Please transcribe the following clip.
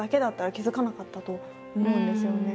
気付かなかったと思うんですよね。